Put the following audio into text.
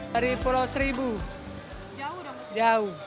dari pulau seribu jauh